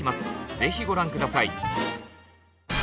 ぜひご覧下さい。